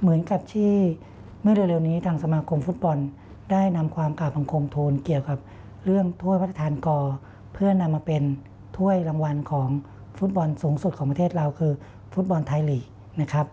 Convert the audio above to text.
เหมือนกับที่เมื่อเร็วนี้ทางสมาคมฟุตบอลได้นำความกราบบังคมโทนเกี่ยวกับเรื่องถ้วยพระราชทานกอเพื่อนำมาเป็นถ้วยรางวัลของฟุตบอลสูงสุดของประเทศเราคือฟุตบอลไทยลีกนะครับ